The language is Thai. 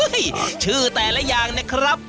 ชื่อแต่ละอย่างนะครับ